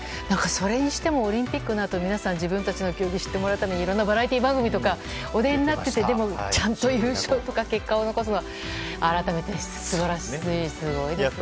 それにしてもオリンピックのあと皆さん自分たちの競技を知ってもらうためにいろんなバラエティー番組とかにお出になっていてでも、ちゃんと優勝とか結果を残すのは改めて素晴らしい、すごいですね。